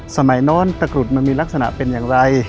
นอนตะกรุดมันมีลักษณะเป็นอย่างไร